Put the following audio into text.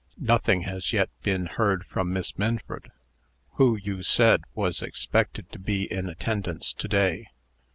Nothing has yet been heard from Miss Minford, who, you said, was expected to be in attendance to day.